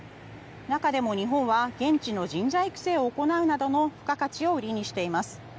中でも日本は現地の人材育成などの付加価値を売りにしています。